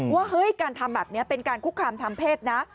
ว่าเฮ้ยการทำแบบนี้เป็นการคุกคามทางเพศนะ